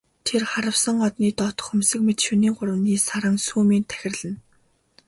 Тэр харвасан одны доохон хөмсөг мэт шинийн гуравны саран сүүмийн тахирлана.